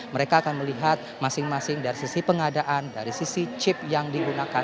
mereka akan melihat masing masing dari sisi pengadaan dari sisi chip yang digunakan